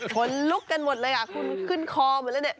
คนลุกกันหมดเลยอ่ะคุณขึ้นคอหมดแล้วเนี่ย